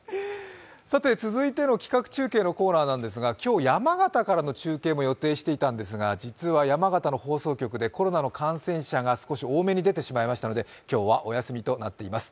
続いての企画中継のコーナーなんですが今日、山形からの中継も予定していたんですが、実は山形の放送局でコロナの感染者が少し多めに出てしまいましたので今日はお休みとなっています。